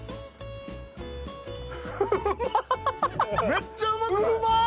めっちゃうまくない？